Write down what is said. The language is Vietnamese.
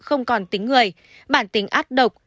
không còn tính người bản tính ác độc